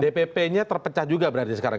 dpp nya terpecah juga berarti sekarang